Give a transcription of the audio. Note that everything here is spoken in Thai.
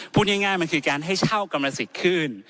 พูดง่ายมันคือการให้เช่ากรรมสิทธิ์ขึ้น